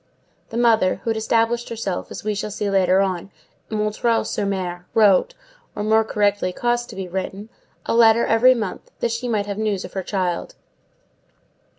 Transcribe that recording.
The mother, who had established herself, as we shall see later on, at M. sur M., wrote, or, more correctly, caused to be written, a letter every month, that she might have news of her child.